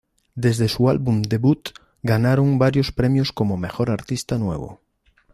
Desde su álbum debut, ganaron varios premios como "Mejor Artista Nuevo".